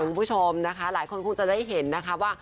คุณผู้ชมนะคะหลายคนคงจะได้เห็นนะคะว่า